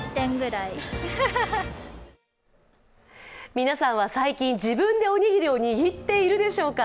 皆さんは最近、自分でおにぎりを握っているでしょうか？